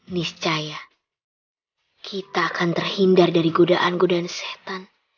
niscaya kita akan terhindar dari godaan godaan setan